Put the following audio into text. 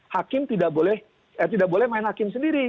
hakim tidak boleh eh tidak boleh main hakim sendiri